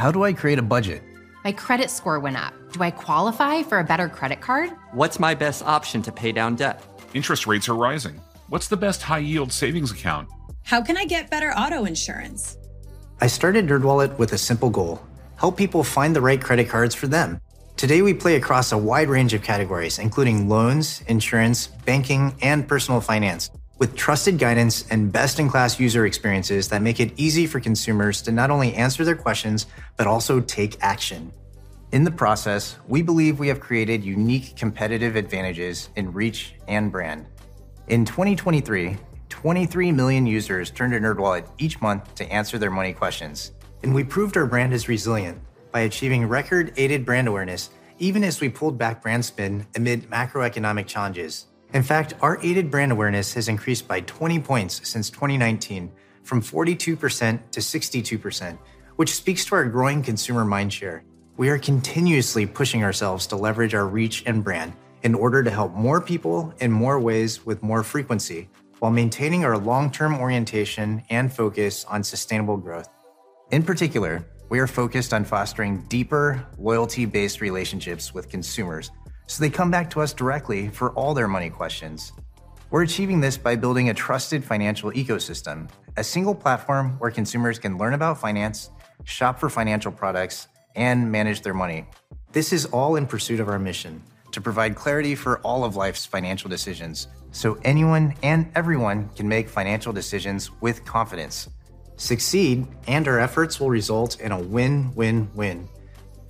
How do I create a budget? My credit score went up. Do I qualify for a better credit card? What's my best option to pay down debt? Interest rates are rising. What's the best high-yield savings account? How can I get better auto insurance? I started NerdWallet with a simple goal: help people find the right credit cards for them. Today we play across a wide range of categories, including loans, insurance, banking, and personal finance, with trusted guidance and best-in-class user experiences that make it easy for consumers to not only answer their questions but also take action. In the process, we believe we have created unique competitive advantages in reach and brand. In 2023, 23 million users turned to NerdWallet each month to answer their money questions. We proved our brand is resilient by achieving record aided brand awareness even as we pulled back brand spend amid macroeconomic challenges. In fact, our aided brand awareness has increased by 20 points since 2019, from 42% to 62%, which speaks to our growing consumer mindshare. We are continuously pushing ourselves to leverage our reach and brand in order to help more people in more ways with more frequency, while maintaining our long-term orientation and focus on sustainable growth. In particular, we are focused on fostering deeper, loyalty-based relationships with consumers so they come back to us directly for all their money questions. We're achieving this by building a trusted financial ecosystem, a single platform where consumers can learn about finance, shop for financial products, and manage their money. This is all in pursuit of our mission: to provide clarity for all of life's financial decisions so anyone and everyone can make financial decisions with confidence. Succeed and our efforts will result in a win-win-win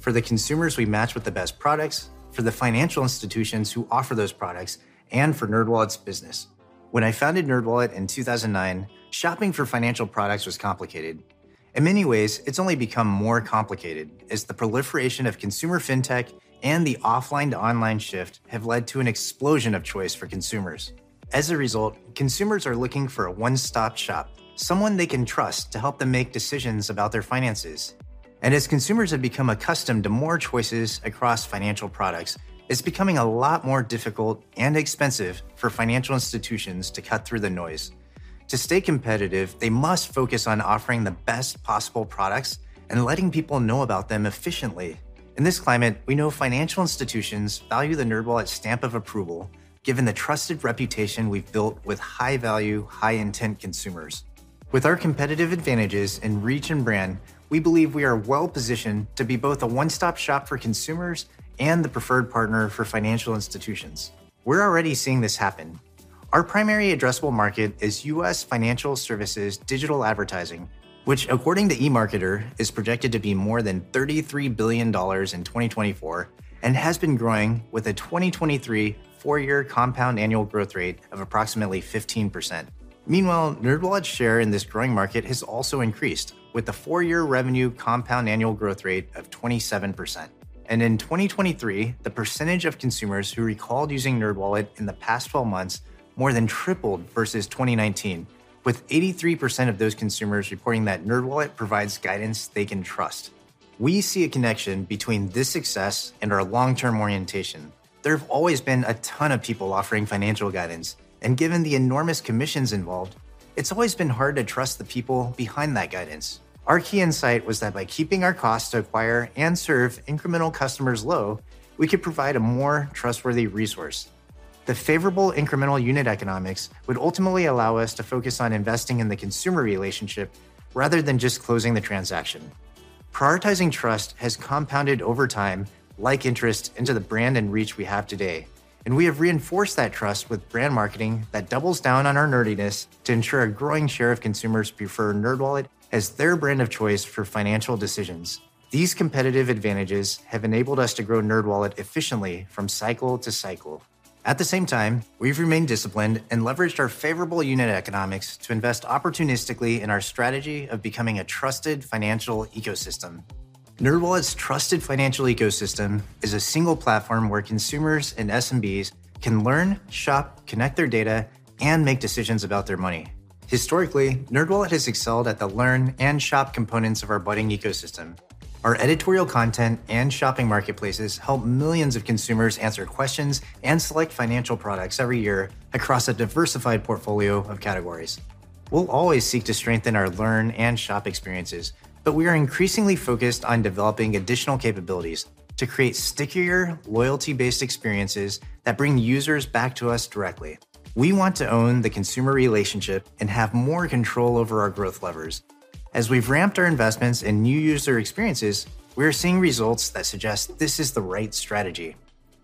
for the consumers we match with the best products, for the financial institutions who offer those products, and for NerdWallet's business. When I founded NerdWallet in 2009, shopping for financial products was complicated. In many ways, it's only become more complicated as the proliferation of consumer fintech and the offline-to-online shift have led to an explosion of choice for consumers. As a result, consumers are looking for a one-stop shop, someone they can trust to help them make decisions about their finances. As consumers have become accustomed to more choices across financial products, it's becoming a lot more difficult and expensive for financial institutions to cut through the noise. To stay competitive, they must focus on offering the best possible products and letting people know about them efficiently. In this climate, we know financial institutions value the NerdWallet stamp of approval given the trusted reputation we've built with high-value, high-intent consumers. With our competitive advantages in reach and brand, we believe we are well-positioned to be both a one-stop shop for consumers and the preferred partner for financial institutions. We're already seeing this happen. Our primary addressable market is U.S. financial services digital advertising, which, according to eMarketer, is projected to be more than $33 billion in 2024 and has been growing with a 2023 four-year compound annual growth rate of approximately 15%. Meanwhile, NerdWallet's share in this growing market has also increased, with a four-year revenue compound annual growth rate of 27%. In 2023, the percentage of consumers who recalled using NerdWallet in the past 12 months more than tripled versus 2019, with 83% of those consumers reporting that NerdWallet provides guidance they can trust. We see a connection between this success and our long-term orientation. There have always been a ton of people offering financial guidance, and given the enormous commissions involved, it's always been hard to trust the people behind that guidance. Our key insight was that by keeping our costs to acquire and serve incremental customers low, we could provide a more trustworthy resource. The favorable incremental unit economics would ultimately allow us to focus on investing in the consumer relationship rather than just closing the transaction. Prioritizing trust has compounded over time, like interest, into the brand and reach we have today. We have reinforced that trust with brand marketing that doubles down on our nerdiness to ensure a growing share of consumers prefer NerdWallet as their brand of choice for financial decisions. These competitive advantages have enabled us to grow NerdWallet efficiently from cycle to cycle. At the same time, we've remained disciplined and leveraged our favorable unit economics to invest opportunistically in our strategy of becoming a trusted financial ecosystem. NerdWallet's trusted financial ecosystem is a single platform where consumers and SMBs can learn, shop, connect their data, and make decisions about their money. Historically, NerdWallet has excelled at the learn and shop components of our budding ecosystem. Our editorial content and shopping marketplaces help millions of consumers answer questions and select financial products every year across a diversified portfolio of categories. We'll always seek to strengthen our learn and shop experiences, but we are increasingly focused on developing additional capabilities to create stickier, loyalty-based experiences that bring users back to us directly. We want to own the consumer relationship and have more control over our growth levers. As we've ramped our investments in new user experiences, we are seeing results that suggest this is the right strategy.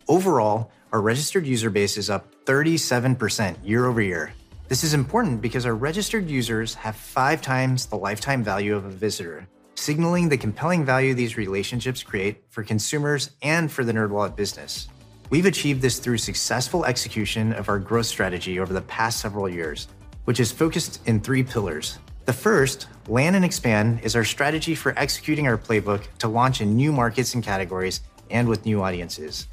Overall, our registered user base is up 37% year-over-year. This is important because our registered users have five times the lifetime value of a visitor, signaling the compelling value these relationships create for consumers and for the NerdWallet business. We've achieved this through successful execution of our growth strategy over the past several years, which is focused in three pillars. The first, land and expand, is our strategy for executing our playbook to launch in new markets and categories and with new audiences.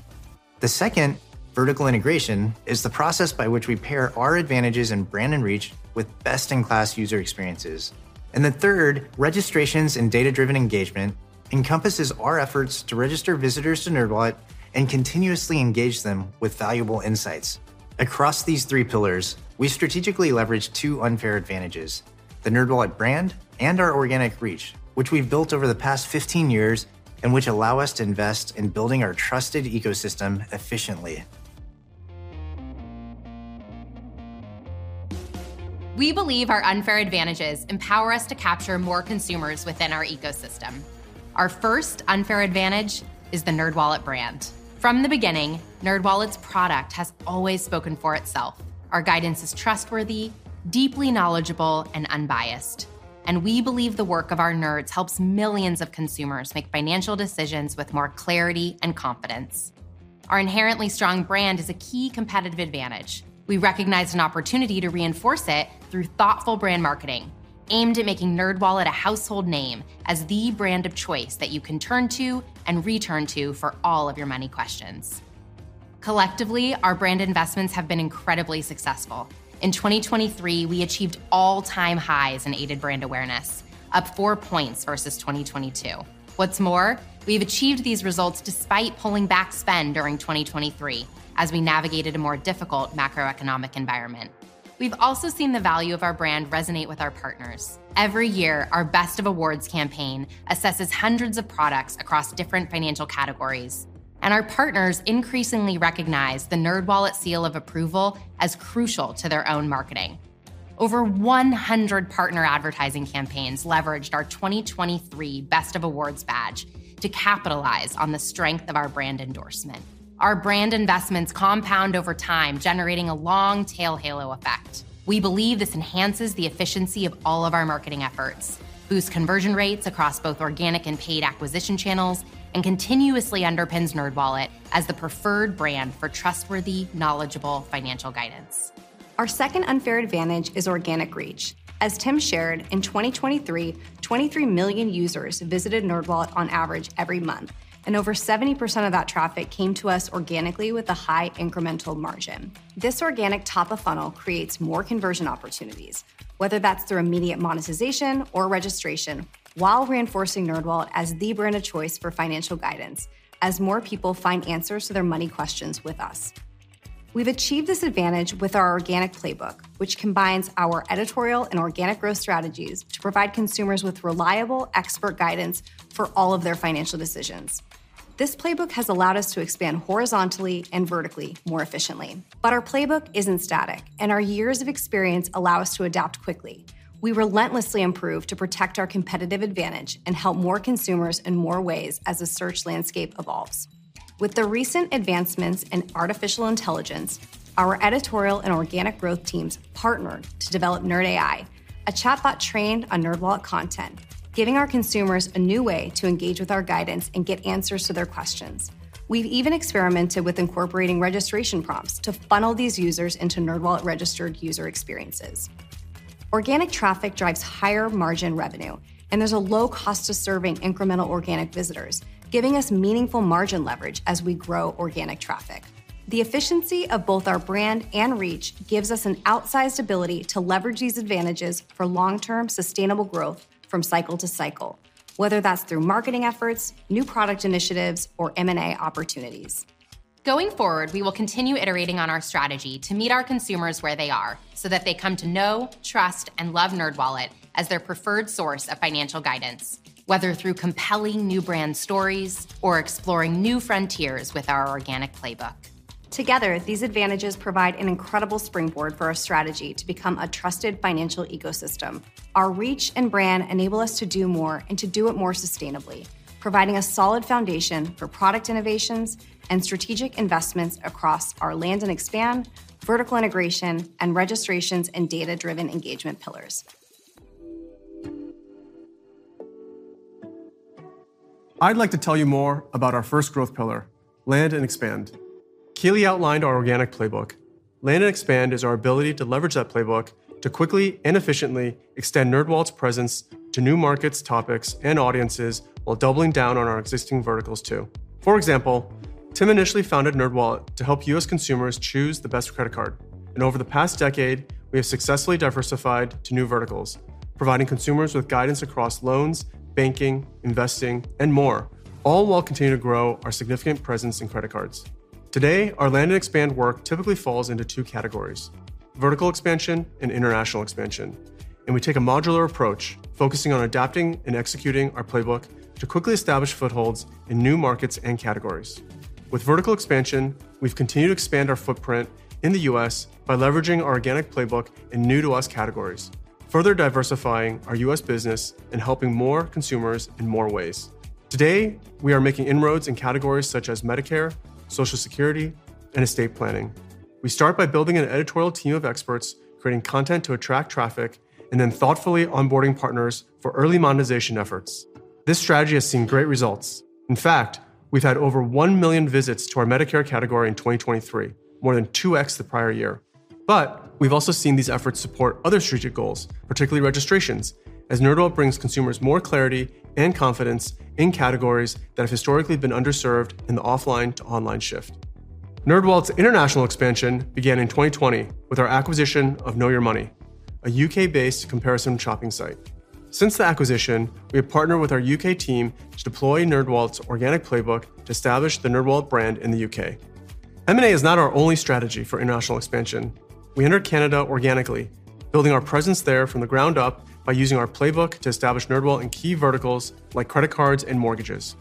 The second, vertical integration, is the process by which we pair our advantages in brand and reach with best-in-class user experiences. And the third, registrations and data-driven engagement, encompasses our efforts to register visitors to NerdWallet and continuously engage them with valuable insights. Across these three pillars, we strategically leverage two unfair advantages: the NerdWallet brand and our organic reach, which we've built over the past 15 years and which allow us to invest in building our trusted ecosystem efficiently. We believe our unfair advantages empower us to capture more consumers within our ecosystem. Our first unfair advantage is the NerdWallet brand. From the beginning, NerdWallet's product has always spoken for itself. Our guidance is trustworthy, deeply knowledgeable, and unbiased. We believe the work of our nerds helps millions of consumers make financial decisions with more clarity and confidence. Our inherently strong brand is a key competitive advantage. We recognize an opportunity to reinforce it through thoughtful brand marketing, aimed at making NerdWallet a household name as the brand of choice that you can turn to and return to for all of your money questions. Collectively, our brand investments have been incredibly successful. In 2023, we achieved all-time highs in aided brand awareness, up four points versus 2022. What's more, we've achieved these results despite pulling back spend during 2023 as we navigated a more difficult macroeconomic environment. We've also seen the value of our brand resonate with our partners. Every year, our Best of Awards campaign assesses hundreds of products across different financial categories. Our partners increasingly recognize the NerdWallet seal of approval as crucial to their own marketing. Over 100 partner advertising campaigns leveraged our 2023 Best of Awards badge to capitalize on the strength of our brand endorsement. Our brand investments compound over time, generating a long tail halo effect. We believe this enhances the efficiency of all of our marketing efforts, boosts conversion rates across both organic and paid acquisition channels, and continuously underpins NerdWallet as the preferred brand for trustworthy, knowledgeable financial guidance. Our second unfair advantage is organic reach. As Tim shared, in 2023, 23 million users visited NerdWallet on average every month, and over 70% of that traffic came to us organically with a high incremental margin. This organic top-of-funnel creates more conversion opportunities, whether that's through immediate monetization or registration, while reinforcing NerdWallet as the brand of choice for financial guidance as more people find answers to their money questions with us. We've achieved this advantage with our organic playbook, which combines our editorial and organic growth strategies to provide consumers with reliable, expert guidance for all of their financial decisions. This playbook has allowed us to expand horizontally and vertically more efficiently. But our playbook isn't static, and our years of experience allow us to adapt quickly. We relentlessly improve to protect our competitive advantage and help more consumers in more ways as the search landscape evolves. With the recent advancements in artificial intelligence, our editorial and organic growth teams partnered to develop NerdAI, a chatbot trained on NerdWallet content, giving our consumers a new way to engage with our guidance and get answers to their questions. We've even experimented with incorporating registration prompts to funnel these users into NerdWallet-registered user experiences. Organic traffic drives higher margin revenue, and there's a low cost to serving incremental organic visitors, giving us meaningful margin leverage as we grow organic traffic. The efficiency of both our brand and reach gives us an outsized ability to leverage these advantages for long-term, sustainable growth from cycle to cycle, whether that's through marketing efforts, new product initiatives, or M&A opportunities. Going forward, we will continue iterating on our strategy to meet our consumers where they are so that they come to know, trust, and love NerdWallet as their preferred source of financial guidance, whether through compelling new brand stories or exploring new frontiers with our organic playbook. Together, these advantages provide an incredible springboard for our strategy to become a trusted financial ecosystem. Our reach and brand enable us to do more and to do it more sustainably, providing a solid foundation for product innovations and strategic investments across our land and expand, vertical integration, and registrations and data-driven engagement pillars. I'd like to tell you more about our first growth pillar, land and expand. Kelly outlined our organic playbook. Land and expand is our ability to leverage that playbook to quickly and efficiently extend NerdWallet's presence to new markets, topics, and audiences while doubling down on our existing verticals too. For example, Tim initially founded NerdWallet to help U.S. consumers choose the best credit card. Over the past decade, we have successfully diversified to new verticals, providing consumers with guidance across loans, banking, investing, and more, all while continuing to grow our significant presence in credit cards. Today, our land and expand work typically falls into two categories: vertical expansion and international expansion. We take a modular approach, focusing on adapting and executing our playbook to quickly establish footholds in new markets and categories. With vertical expansion, we've continued to expand our footprint in the U.S. by leveraging our organic playbook in new-to-us categories, further diversifying our U.S. business and helping more consumers in more ways. Today, we are making inroads in categories such as Medicare, Social Security, and estate planning. We start by building an editorial team of experts, creating content to attract traffic, and then thoughtfully onboarding partners for early monetization efforts. This strategy has seen great results. In fact, we've had over 1 million visits to our Medicare category in 2023, more than 2X the prior year. But we've also seen these efforts support other strategic goals, particularly registrations, as NerdWallet brings consumers more clarity and confidence in categories that have historically been underserved in the offline-to-online shift. NerdWallet's international expansion began in 2020 with our acquisition of Know Your Money, a U.K.-based comparison shopping site. Since the acquisition, we have partnered with our U.K. team to deploy NerdWallet's organic playbook to establish the NerdWallet brand in the U.K. M&A is not our only strategy for international expansion. We entered Canada organically, building our presence there from the ground up by using our playbook to establish NerdWallet in key verticals like credit cards and mortgages.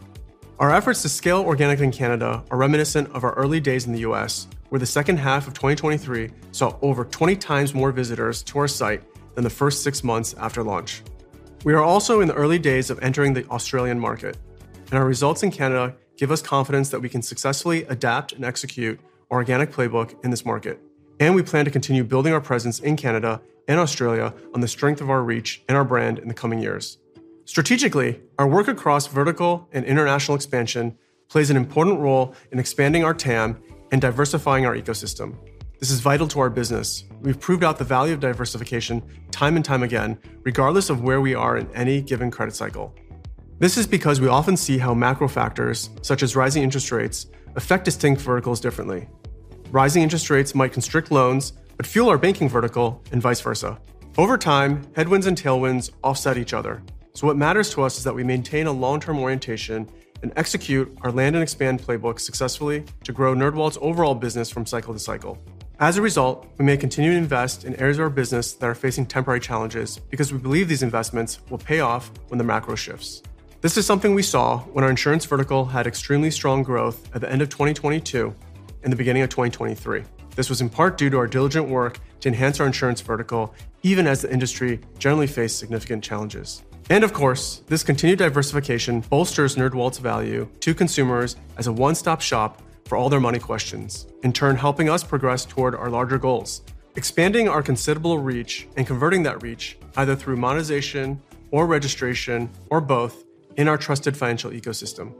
Our efforts to scale organically in Canada are reminiscent of our early days in the U.S., where the second half of 2023 saw over 20 times more visitors to our site than the first six months after launch. We are also in the early days of entering the Australian market, and our results in Canada give us confidence that we can successfully adapt and execute our organic playbook in this market. We plan to continue building our presence in Canada and Australia on the strength of our reach and our brand in the coming years. Strategically, our work across vertical and international expansion plays an important role in expanding our TAM and diversifying our ecosystem. This is vital to our business. We've proved out the value of diversification time and time again, regardless of where we are in any given credit cycle. This is because we often see how macro factors, such as rising interest rates, affect distinct verticals differently. Rising interest rates might constrict loans but fuel our banking vertical and vice versa. Over time, headwinds and tailwinds offset each other. So what matters to us is that we maintain a long-term orientation and execute our land and expand playbook successfully to grow NerdWallet's overall business from cycle to cycle. As a result, we may continue to invest in areas of our business that are facing temporary challenges because we believe these investments will pay off when the macro shifts. This is something we saw when our insurance vertical had extremely strong growth at the end of 2022 and the beginning of 2023. This was in part due to our diligent work to enhance our insurance vertical, even as the industry generally faced significant challenges. Of course, this continued diversification bolsters NerdWallet's value to consumers as a one-stop shop for all their money questions, in turn helping us progress toward our larger goals, expanding our considerable reach and converting that reach either through monetization or registration or both in our trusted financial ecosystem.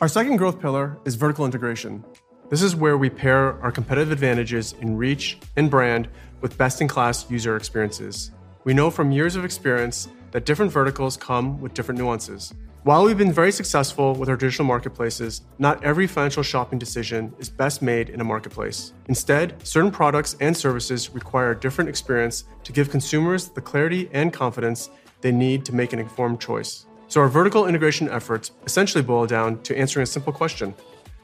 Our second growth pillar is vertical integration. This is where we pair our competitive advantages in reach and brand with best-in-class user experiences. We know from years of experience that different verticals come with different nuances. While we've been very successful with our digital marketplaces, not every financial shopping decision is best made in a marketplace. Instead, certain products and services require a different experience to give consumers the clarity and confidence they need to make an informed choice. So our Vertical Integration efforts essentially boil down to answering a simple question: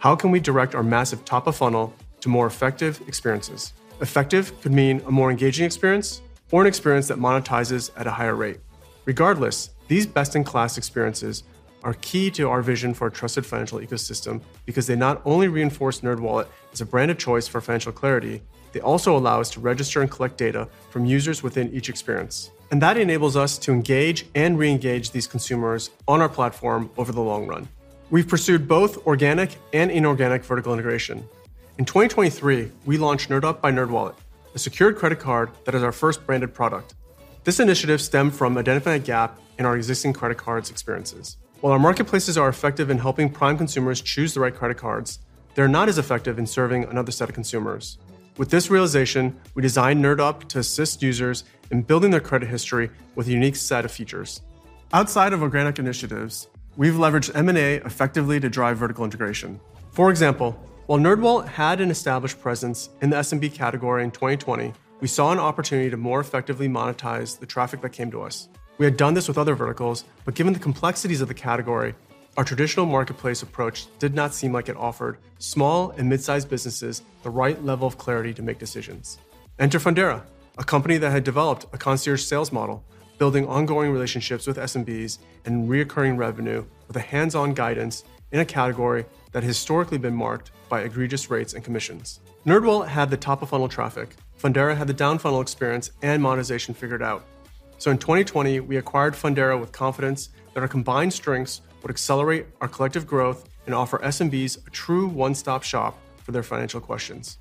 how can we direct our massive Top-of-Funnel to more effective experiences? Effective could mean a more engaging experience or an experience that monetizes at a higher rate. Regardless, these best-in-class experiences are key to our vision for a trusted financial ecosystem because they not only reinforce NerdWallet as a brand of choice for financial clarity, they also allow us to register and collect data from users within each experience. That enables us to engage and re-engage these consumers on our platform over the long run. We've pursued both organic and inorganic vertical integration. In 2023, we launched NerdUp by NerdWallet, a secured credit card that is our first branded product. This initiative stemmed from identifying a gap in our existing credit cards' experiences. While our marketplaces are effective in helping prime consumers choose the right credit cards, they're not as effective in serving another set of consumers. With this realization, we designed NerdUp to assist users in building their credit history with a unique set of features. Outside of organic initiatives, we've leveraged M&A effectively to drive vertical integration. For example, while NerdWallet had an established presence in the SMB category in 2020, we saw an opportunity to more effectively monetize the traffic that came to us. We had done this with other verticals, but given the complexities of the category, our traditional marketplace approach did not seem like it offered small and midsize businesses the right level of clarity to make decisions. Enter Fundera, a company that had developed a concierge sales model, building ongoing relationships with SMBs and reoccurring revenue with hands-on guidance in a category that had historically been marked by egregious rates and commissions. NerdWallet had the top-of-funnel traffic. Fundera had the down-funnel experience and monetization figured out. So in 2020, we acquired Fundera with confidence that our combined strengths would accelerate our collective growth and offer SMBs a true one-stop shop for their financial questions.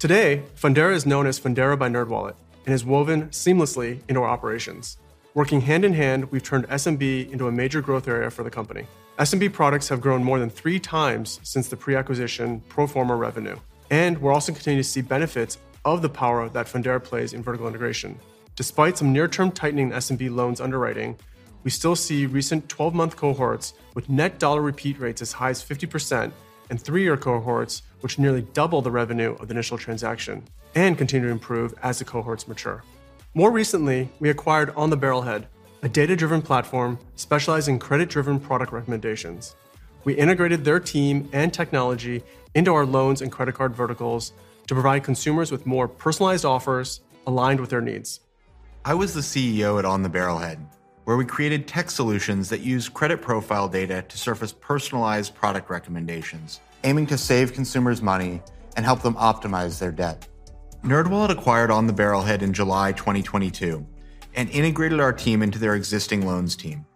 Today, Fundera is known as Fundera by NerdWallet and is woven seamlessly into our operations. Working hand in hand, we've turned SMB into a major growth area for the company. SMB products have grown more than 3 times since the pre-acquisition pro forma revenue. We're also continuing to see benefits of the power that Fundera plays in vertical integration. Despite some near-term tightening in SMB loans underwriting, we still see recent 12-month cohorts with net dollar repeat rates as high as 50% and 3-year cohorts which nearly double the revenue of the initial transaction and continue to improve as the cohorts mature. More recently, we acquired On the Barrelhead, a data-driven platform specializing in credit-driven product recommendations. We integrated their team and technology into our loans and credit card verticals to provide consumers with more personalized offers aligned with their needs. I was the CEO at On the Barrelhead, where we created tech solutions that use credit profile data to surface personalized product recommendations, aiming to save consumers money and help them optimize their debt. NerdWallet acquired On the Barrelhead in July 2022 and integrated our team into their existing loans team.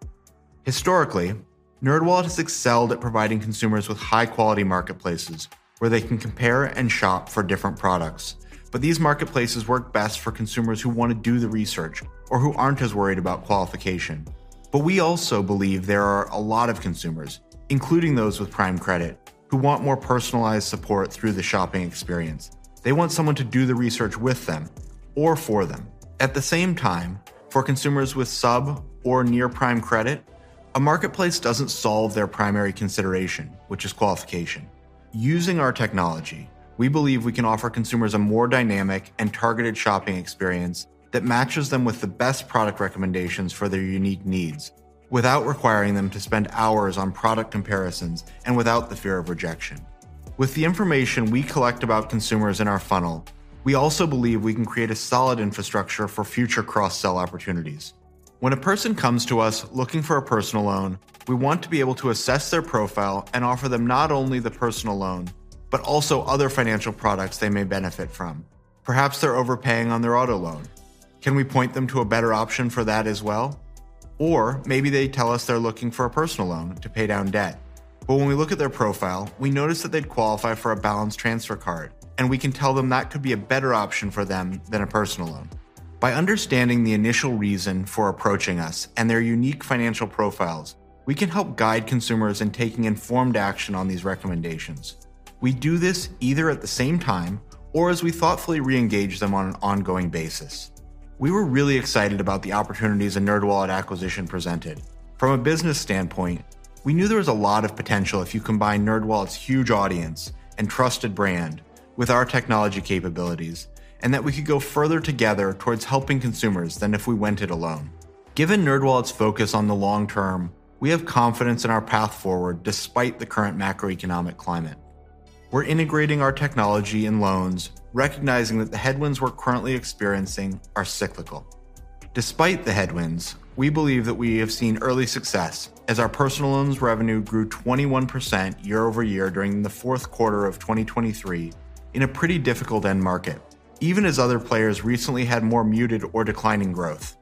Historically, NerdWallet has excelled at providing consumers with high-quality marketplaces where they can compare and shop for different products. But these marketplaces work best for consumers who want to do the research or who aren't as worried about qualification. But we also believe there are a lot of consumers, including those with prime credit, who want more personalized support through the shopping experience. They want someone to do the research with them or for them. At the same time, for consumers with sub or near prime credit, a marketplace doesn't solve their primary consideration, which is qualification. Using our technology, we believe we can offer consumers a more dynamic and targeted shopping experience that matches them with the best product recommendations for their unique needs without requiring them to spend hours on product comparisons and without the fear of rejection. With the information we collect about consumers in our funnel, we also believe we can create a solid infrastructure for future cross-sell opportunities. When a person comes to us looking for a personal loan, we want to be able to assess their profile and offer them not only the personal loan but also other financial products they may benefit from. Perhaps they're overpaying on their auto loan. Can we point them to a better option for that as well? Or maybe they tell us they're looking for a personal loan to pay down debt. But when we look at their profile, we notice that they'd qualify for a balance transfer card, and we can tell them that could be a better option for them than a personal loan. By understanding the initial reason for approaching us and their unique financial profiles, we can help guide consumers in taking informed action on these recommendations. We do this either at the same time or as we thoughtfully re-engage them on an ongoing basis. We were really excited about the opportunities a NerdWallet acquisition presented. From a business standpoint, we knew there was a lot of potential if you combine NerdWallet's huge audience and trusted brand with our technology capabilities and that we could go further together towards helping consumers than if we went it alone. Given NerdWallet's focus on the long term, we have confidence in our path forward despite the current macroeconomic climate. We're integrating our technology in loans, recognizing that the headwinds we're currently experiencing are cyclical. Despite the headwinds, we believe that we have seen early success as our personal loans revenue grew 21% year-over-year during the fourth quarter of 2023 in a pretty difficult end market, even as other players recently had more muted or declining growth.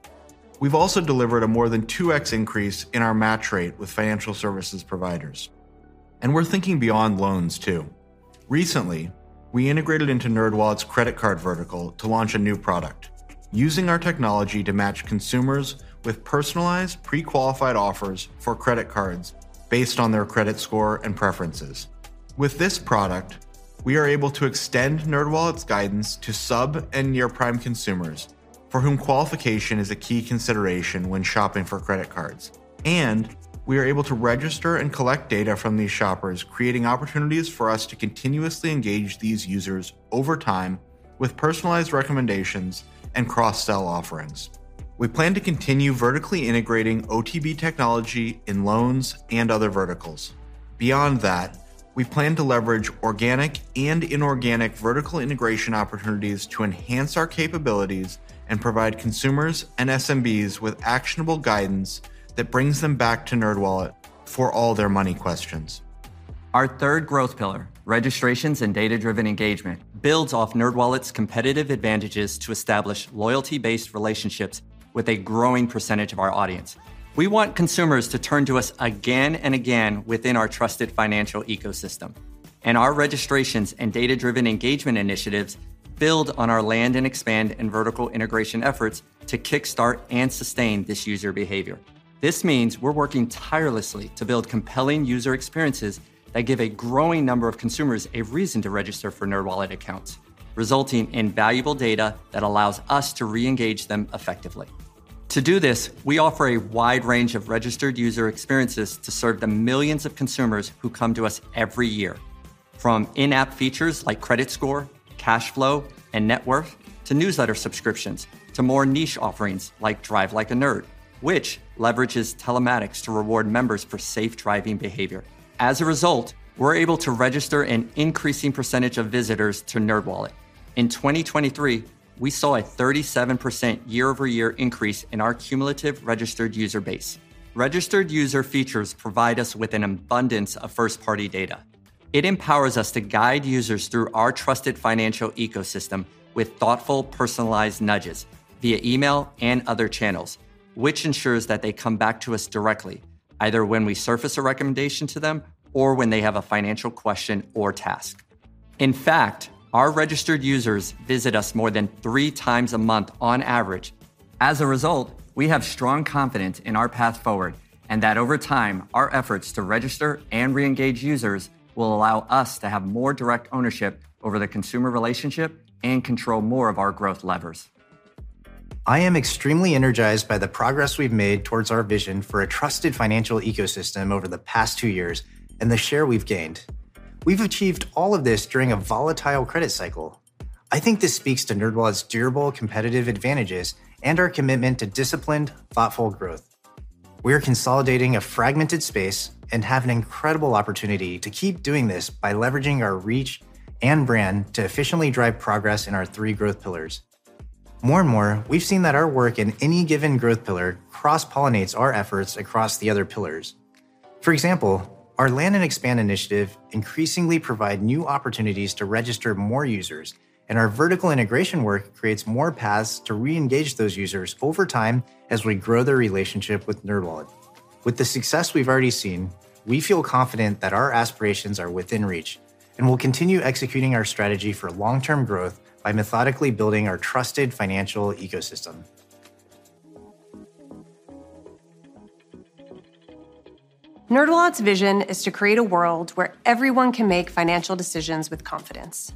We've also delivered a more than 2x increase in our match rate with financial services providers. We're thinking beyond loans too. Recently, we integrated into NerdWallet's credit card vertical to launch a new product, using our technology to match consumers with personalized, pre-qualified offers for credit cards based on their credit score and preferences. With this product, we are able to extend NerdWallet's guidance to sub and near prime consumers for whom qualification is a key consideration when shopping for credit cards. We are able to register and collect data from these shoppers, creating opportunities for us to continuously engage these users over time with personalized recommendations and cross-sell offerings. We plan to continue vertically integrating OTB technology in loans and other verticals. Beyond that, we plan to leverage organic and inorganic vertical integration opportunities to enhance our capabilities and provide consumers and SMBs with actionable guidance that brings them back to NerdWallet for all their money questions. Our third growth pillar, registrations and data-driven engagement, builds off NerdWallet's competitive advantages to establish loyalty-based relationships with a growing percentage of our audience. We want consumers to turn to us again and again within our trusted financial ecosystem. Our registrations and data-driven engagement initiatives build on our land and expand and vertical integration efforts to kickstart and sustain this user behavior. This means we're working tirelessly to build compelling user experiences that give a growing number of consumers a reason to register for NerdWallet accounts, resulting in valuable data that allows us to re-engage them effectively. To do this, we offer a wide range of registered user experiences to serve the millions of consumers who come to us every year. From in-app features like credit score, cash flow, and net worth to newsletter subscriptions to more niche offerings like Drive Like a Nerd, which leverages telematics to reward members for safe driving behavior. As a result, we're able to register an increasing percentage of visitors to NerdWallet. In 2023, we saw a 37% year-over-year increase in our cumulative registered user base. Registered user features provide us with an abundance of first-party data. It empowers us to guide users through our trusted financial ecosystem with thoughtful, personalized nudges via email and other channels, which ensures that they come back to us directly, either when we surface a recommendation to them or when they have a financial question or task. In fact, our registered users visit us more than three times a month on average. As a result, we have strong confidence in our path forward and that over time, our efforts to register and re-engage users will allow us to have more direct ownership over the consumer relationship and control more of our growth levers. I am extremely energized by the progress we've made towards our vision for a trusted financial ecosystem over the past two years and the share we've gained. We've achieved all of this during a volatile credit cycle. I think this speaks to NerdWallet's durable competitive advantages and our commitment to disciplined, thoughtful growth. We are consolidating a fragmented space and have an incredible opportunity to keep doing this by leveraging our reach and brand to efficiently drive progress in our three growth pillars. More and more, we've seen that our work in any given growth pillar cross-pollinates our efforts across the other pillars. For example, our land and expand initiative increasingly provides new opportunities to register more users, and our vertical integration work creates more paths to re-engage those users over time as we grow their relationship with NerdWallet. With the success we've already seen, we feel confident that our aspirations are within reach and will continue executing our strategy for long-term growth by methodically building our trusted financial ecosystem. NerdWallet's vision is to create a world where everyone can make financial decisions with confidence.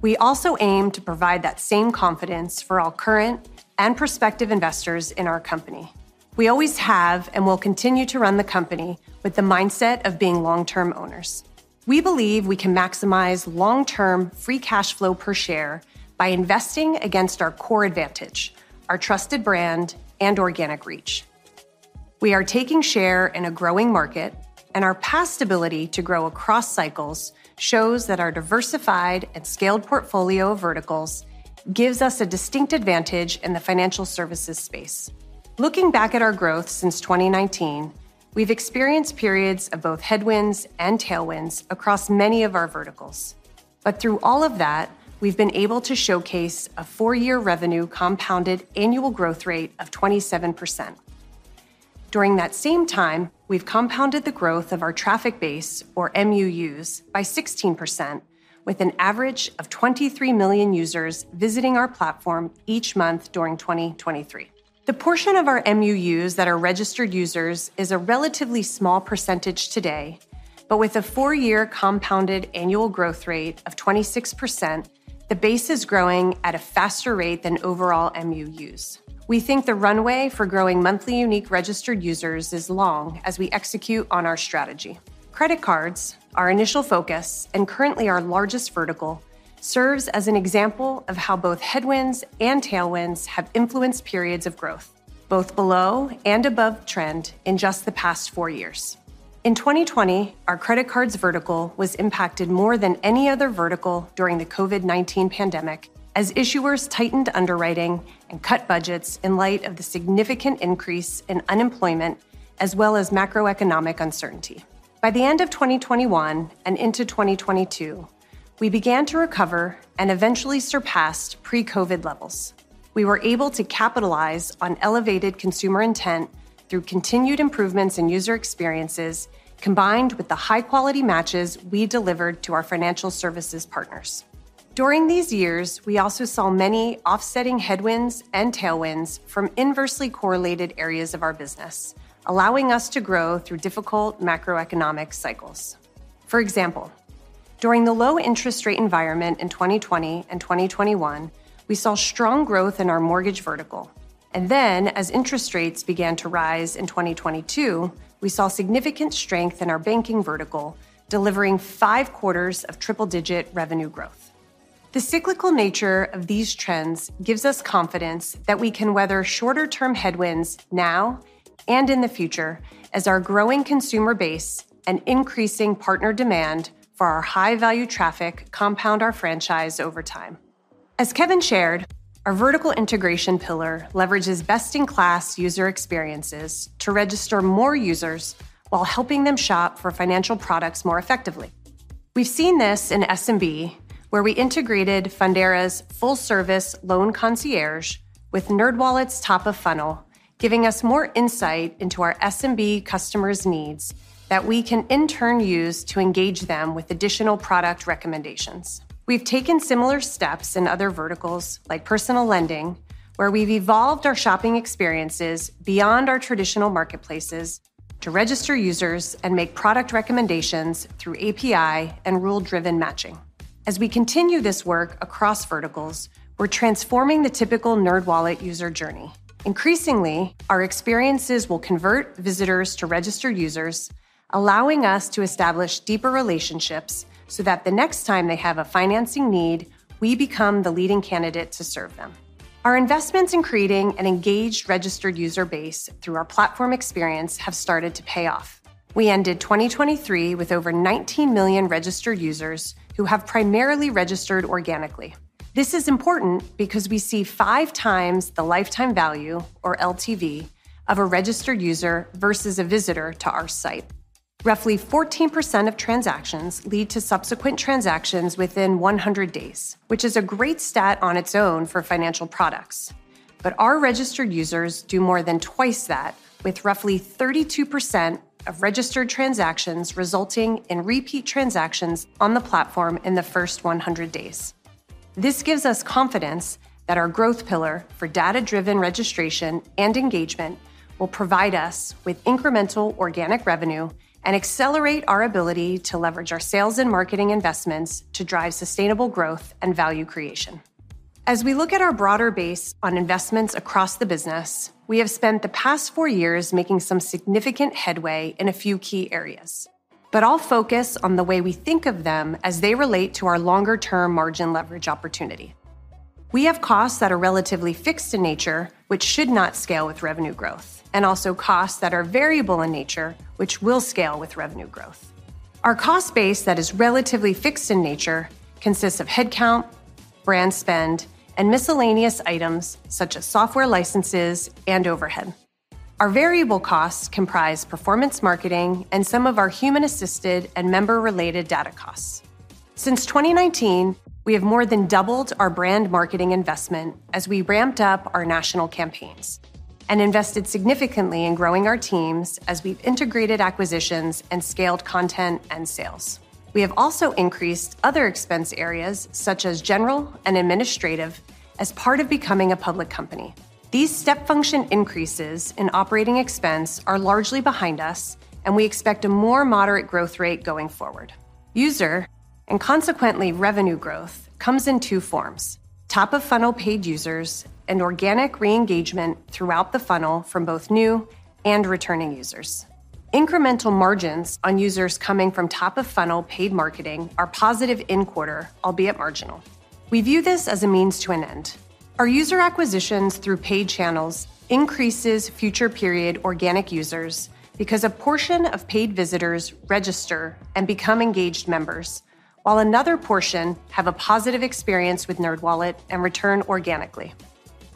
We also aim to provide that same confidence for all current and prospective investors in our company. We always have and will continue to run the company with the mindset of being long-term owners. We believe we can maximize long-term free cash flow per share by investing against our core advantage, our trusted brand, and organic reach. We are taking share in a growing market, and our past ability to grow across cycles shows that our diversified and scaled portfolio verticals give us a distinct advantage in the financial services space. Looking back at our growth since 2019, we've experienced periods of both headwinds and tailwinds across many of our verticals. But through all of that, we've been able to showcase a 4-year revenue compounded annual growth rate of 27%. During that same time, we've compounded the growth of our traffic base, or MUUs, by 16%, with an average of 23 million users visiting our platform each month during 2023. The portion of our MUUs that are registered users is a relatively small percentage today, but with a four-year compounded annual growth rate of 26%, the base is growing at a faster rate than overall MUUs. We think the runway for growing monthly unique registered users is long as we execute on our strategy. Credit cards, our initial focus and currently our largest vertical, serve as an example of how both headwinds and tailwinds have influenced periods of growth, both below and above trend in just the past four years. In 2020, our credit cards vertical was impacted more than any other vertical during the COVID-19 pandemic as issuers tightened underwriting and cut budgets in light of the significant increase in unemployment as well as macroeconomic uncertainty. By the end of 2021 and into 2022, we began to recover and eventually surpassed pre-COVID levels. We were able to capitalize on elevated consumer intent through continued improvements in user experiences combined with the high-quality matches we delivered to our financial services partners. During these years, we also saw many offsetting headwinds and tailwinds from inversely correlated areas of our business, allowing us to grow through difficult macroeconomic cycles. For example, during the low interest rate environment in 2020 and 2021, we saw strong growth in our mortgage vertical. And then, as interest rates began to rise in 2022, we saw significant strength in our banking vertical, delivering five quarters of triple-digit revenue growth. The cyclical nature of these trends gives us confidence that we can weather shorter-term headwinds now and in the future as our growing consumer base and increasing partner demand for our high-value traffic compound our franchise over time. As Kevin shared, our vertical integration pillar leverages best-in-class user experiences to register more users while helping them shop for financial products more effectively. We've seen this in SMB, where we integrated Fundera's full-service loan concierge with NerdWallet's top-of-funnel, giving us more insight into our SMB customers' needs that we can in turn use to engage them with additional product recommendations. We've taken similar steps in other verticals like personal lending, where we've evolved our shopping experiences beyond our traditional marketplaces to register users and make product recommendations through API and rule-driven matching. As we continue this work across verticals, we're transforming the typical NerdWallet user journey. Increasingly, our experiences will convert visitors to registered users, allowing us to establish deeper relationships so that the next time they have a financing need, we become the leading candidate to serve them. Our investments in creating an engaged registered user base through our platform experience have started to pay off. We ended 2023 with over 19 million registered users who have primarily registered organically. This is important because we see five times the lifetime value, or LTV, of a registered user versus a visitor to our site. Roughly 14% of transactions lead to subsequent transactions within 100 days, which is a great stat on its own for financial products. But our registered users do more than twice that, with roughly 32% of registered transactions resulting in repeat transactions on the platform in the first 100 days. This gives us confidence that our growth pillar for data-driven registration and engagement will provide us with incremental organic revenue and accelerate our ability to leverage our sales and marketing investments to drive sustainable growth and value creation. As we look at our broader base on investments across the business, we have spent the past 4 years making some significant headway in a few key areas, but I'll focus on the way we think of them as they relate to our longer-term margin leverage opportunity. We have costs that are relatively fixed in nature, which should not scale with revenue growth, and also costs that are variable in nature, which will scale with revenue growth. Our cost base that is relatively fixed in nature consists of headcount, brand spend, and miscellaneous items such as software licenses and overhead. Our variable costs comprise performance marketing and some of our human-assisted and member-related data costs. Since 2019, we have more than doubled our brand marketing investment as we ramped up our national campaigns and invested significantly in growing our teams as we've integrated acquisitions and scaled content and sales. We have also increased other expense areas such as general and administrative as part of becoming a public company. These step function increases in operating expense are largely behind us, and we expect a more moderate growth rate going forward. User, and consequently revenue growth, comes in two forms: top-of-funnel paid users and organic re-engagement throughout the funnel from both new and returning users. Incremental margins on users coming from top-of-funnel paid marketing are positive in quarter, albeit marginal. We view this as a means to an end. Our user acquisitions through paid channels increase future-period organic users because a portion of paid visitors register and become engaged members, while another portion have a positive experience with NerdWallet and return organically.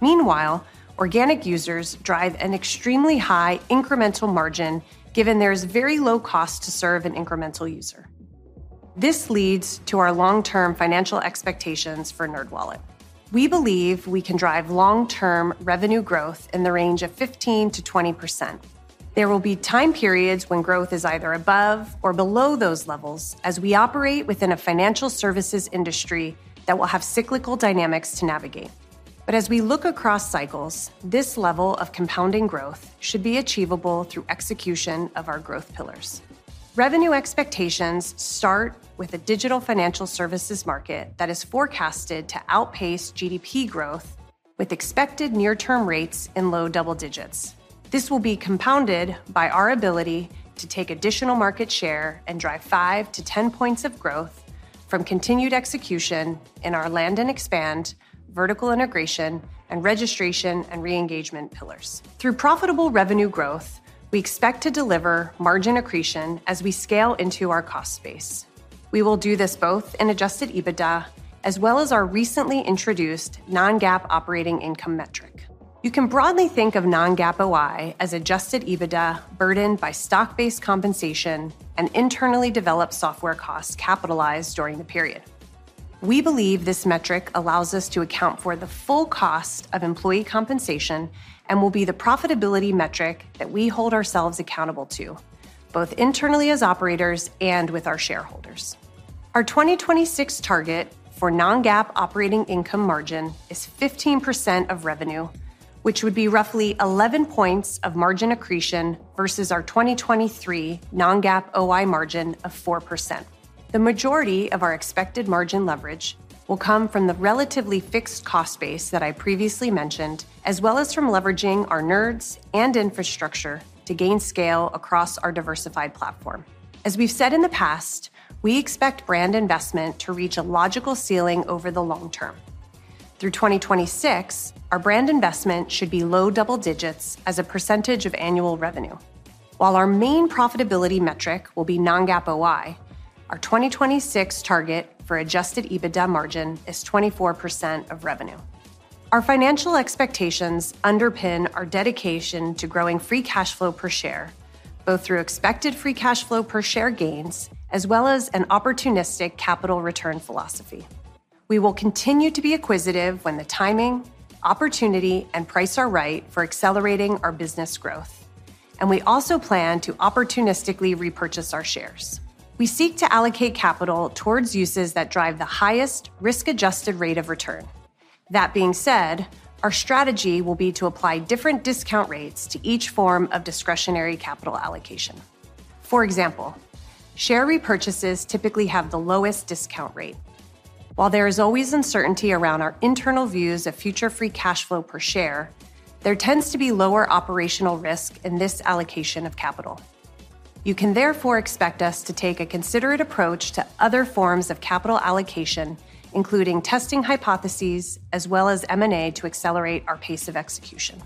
Meanwhile, organic users drive an extremely high incremental margin given there is very low cost to serve an incremental user. This leads to our long-term financial expectations for NerdWallet. We believe we can drive long-term revenue growth in the range of 15%-20%. There will be time periods when growth is either above or below those levels as we operate within a financial services industry that will have cyclical dynamics to navigate. But as we look across cycles, this level of compounding growth should be achievable through execution of our growth pillars. Revenue expectations start with a digital financial services market that is forecasted to outpace GDP growth with expected near-term rates in low double digits. This will be compounded by our ability to take additional market share and drive 5%-10% points of growth from continued execution in our land and expand, vertical integration, and registration and re-engagement pillars. Through profitable revenue growth, we expect to deliver margin accretion as we scale into our cost base. We will do this both in Adjusted EBITDA as well as our recently introduced Non-GAAP Operating Income metric. You can broadly think of Non-GAAP OI as Adjusted EBITDA burdened by stock-based compensation and internally developed software costs capitalized during the period. We believe this metric allows us to account for the full cost of employee compensation and will be the profitability metric that we hold ourselves accountable to, both internally as operators and with our shareholders. Our 2026 target for Non-GAAP operating income margin is 15% of revenue, which would be roughly 11 points of margin accretion versus our 2023 Non-GAAP OI margin of 4%. The majority of our expected margin leverage will come from the relatively fixed cost base that I previously mentioned, as well as from leveraging our nerds and infrastructure to gain scale across our diversified platform. As we've said in the past, we expect brand investment to reach a logical ceiling over the long term. Through 2026, our brand investment should be low double digits as a percentage of annual revenue. While our main profitability metric will be Non-GAAP OI, our 2026 target for Adjusted EBITDA margin is 24% of revenue. Our financial expectations underpin our dedication to growing free cash flow per share, both through expected free cash flow per share gains as well as an opportunistic capital return philosophy. We will continue to be acquisitive when the timing, opportunity, and price are right for accelerating our business growth, and we also plan to opportunistically repurchase our shares. We seek to allocate capital towards uses that drive the highest risk-adjusted rate of return. That being said, our strategy will be to apply different discount rates to each form of discretionary capital allocation. For example, share repurchases typically have the lowest discount rate. While there is always uncertainty around our internal views of future free cash flow per share, there tends to be lower operational risk in this allocation of capital. You can therefore expect us to take a considerate approach to other forms of capital allocation, including testing hypotheses as well as M&A to accelerate our pace of execution.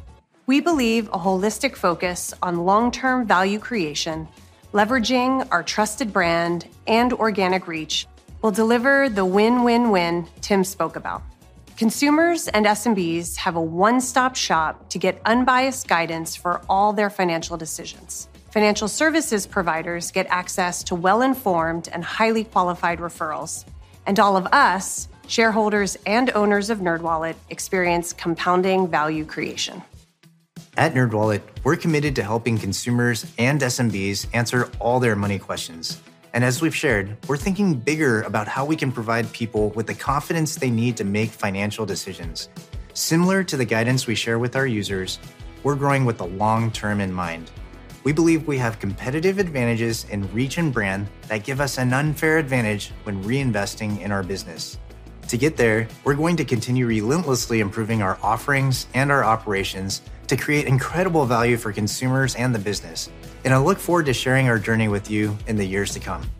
We believe a holistic focus on long-term value creation, leveraging our trusted brand and organic reach, will deliver the win-win-win Tim spoke about. Consumers and SMBs have a one-stop shop to get unbiased guidance for all their financial decisions. Financial services providers get access to well-informed and highly qualified referrals, and all of us, shareholders and owners of NerdWallet, experience compounding value creation. At NerdWallet, we're committed to helping consumers and SMBs answer all their money questions. As we've shared, we're thinking bigger about how we can provide people with the confidence they need to make financial decisions. Similar to the guidance we share with our users, we're growing with the long term in mind. We believe we have competitive advantages in reach and brand that give us an unfair advantage when reinvesting in our business. To get there, we're going to continue relentlessly improving our offerings and our operations to create incredible value for consumers and the business. I look forward to sharing our journey with you in the years to come.